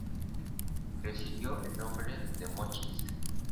Recibió el nombre de "Mochis".